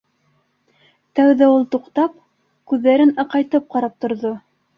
Тәүҙә ул, туҡтап, күҙҙәрен аҡайтып ҡарап торҙо.